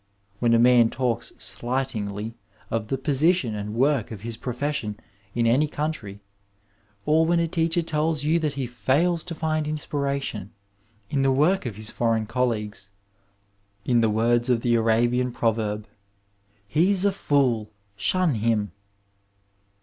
When a man talks slightingly of the position and work of his profession in any country, or when a teacher tells you that he &ils to find inspiration in the work of his foreign colleagues, in the words of the Arabian proverb — he is a fool, shun him!